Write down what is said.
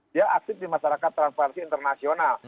dia aktif di masyarakat transparansi internasional